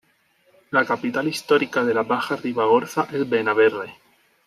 La capital histórica de la Baja Ribagorza es Benabarre.